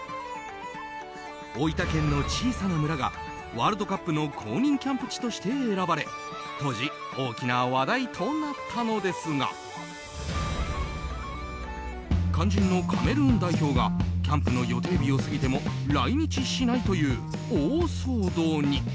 大分県の小さな村がワールドカップの公認キャンプ地として選ばれ当時大きな話題となったのですが肝心のカメルーン代表がキャンプの予定日を過ぎても来日しないという大騒動に。